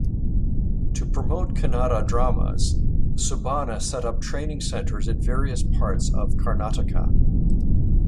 To promote Kannada dramas Subbanna set up training centres in various parts of Karnataka.